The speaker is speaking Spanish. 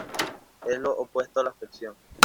Es lo opuesto a la flexión.